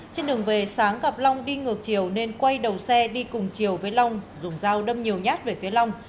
trên đường về sáng gặp long đi ngược chiều nên quay đầu xe đi cùng chiều với long dùng dao đâm nhiều nhát về phía long